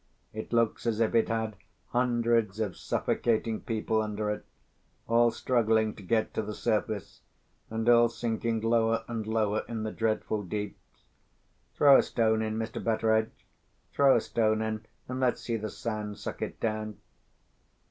"It looks as if it had hundreds of suffocating people under it—all struggling to get to the surface, and all sinking lower and lower in the dreadful deeps! Throw a stone in, Mr. Betteredge! Throw a stone in, and let's see the sand suck it down!"